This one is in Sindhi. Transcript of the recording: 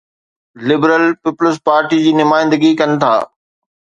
لبرل پيپلز پارٽي جي نمائندگي ڪن ٿا.